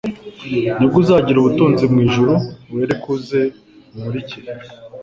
nibwo uzagira ubutunzi mu ijuru. Uhereko uze unkurikire.»